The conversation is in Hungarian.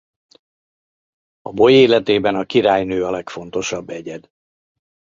A boly életében a királynő a legfontosabb egyed.